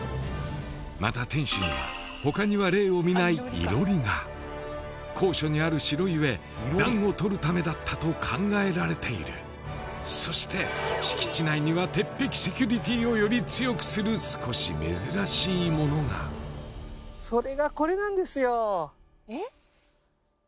また天守には他には例を見ない囲炉裏が高所にある城ゆえ暖をとるためだったと考えられているそして敷地内には鉄壁セキュリティーをより強くする少し珍しいものがそれがこれなんですよえっ？